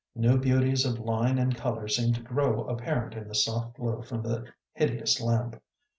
New beauties of line and color seemed to grow apparent in the soft glow from the hideous lamp.